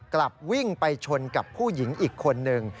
กลับวิ่งไปชนกับผู้หญิงอีกคนนึง